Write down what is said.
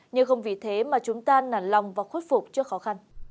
nhưng không vì thế mà chúng ta nản lòng và khuất phục trước khó khăn